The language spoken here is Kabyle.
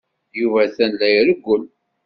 Yuba atan la irewwel.